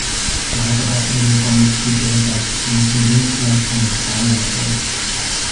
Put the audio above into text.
Leider hatten wir damit bisher bei bestimmten Dienstleistungen keinen Erfolg.